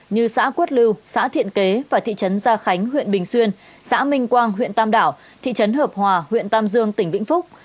như xã quất lưu xã thiện kế và thị trấn gia khánh huyện bình xuyên xã minh quang huyện tam đảo thị trấn hợp hòa huyện tam dương tỉnh vĩnh phúc